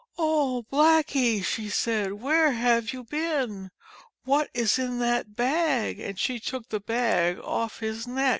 "Oh, Blackie !" she said, "Where have you been? What is in that bag?" And she took the bag off his neck.